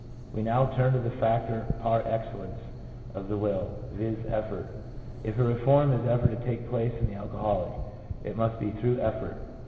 We now turn to the factor par excellence of the will — viz., effort. If a reform is ever to take place in the alcoholic, it must be through effort.